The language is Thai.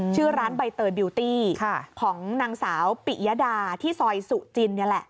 ชื่อร้านใบเตยบิวตี้ของนางสาวปิยดาที่ซอยสุจินนี่แหละ